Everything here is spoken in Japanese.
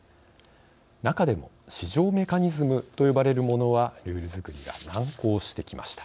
中でも、市場メカニズムと呼ばれるものはルール作りが難航してきました。